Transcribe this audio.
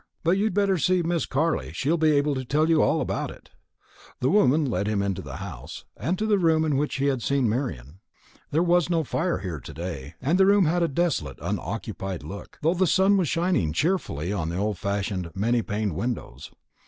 But you'd better see Miss Carley; she'll be able to tell you all about it." The woman led him into the house, and to the room in which he had seen Marian. There was no fire here to day, and the room had a desolate unoccupied look, though the sun was shining cheerfully on the old fashioned many paned windows.